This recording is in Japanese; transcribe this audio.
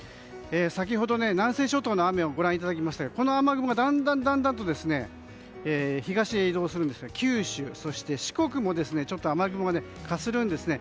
先ほど南西諸島の雨をご覧いただきましたがこの雨雲がだんだんと東へ移動するんですが九州そして四国もちょっと雨雲がかするんですね。